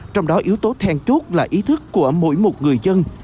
trong đó yếu tố then chốt là ý thức của mỗi một người dân